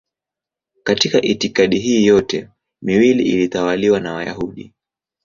Katika itikadi hii yote miwili ilitawaliwa na Wayahudi.